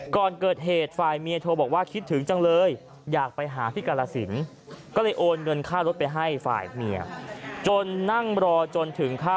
ก่อนเกิดเหตุฝ่ายเมียโทรบอกว่าคิดถึงจังเลยอยากไปหาพี่กรสินทร์